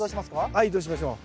はい移動しましょう。